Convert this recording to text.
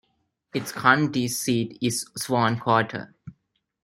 Its county seat is Swan Quarter.